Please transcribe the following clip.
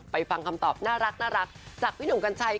ฟังคำตอบน่ารักจากพี่หนุ่มกัญชัย